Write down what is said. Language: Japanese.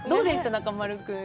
中丸君。